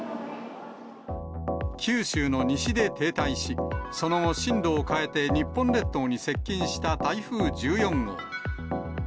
九州の西で停滞し、その後、進路を変えて日本列島に接近した台風１４号。